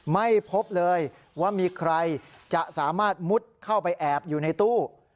ไม่พบเลยว่ามีใครจะสามารถมุดเข้าไปแอบอยู่ในตู้